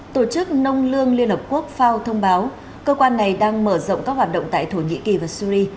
tổ chức nông lương liên hợp quốc fao thông báo cơ quan này đang mở rộng các hoạt động tại thổ nhĩ kỳ và syri